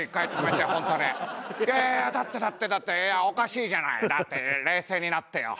いやいやいやだってだってだっていやおかしいじゃない？だって。